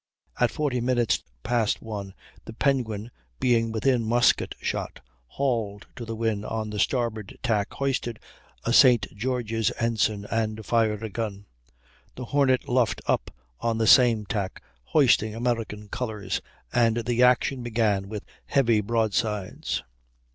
At forty minutes past one the Penguin, being within musket shot, hauled to the wind on the starboard tack, hoisted a St. George's ensign and fired a gun. The Hornet luffed up on the same tack, hoisting American colors, and the action began with heavy broadsides.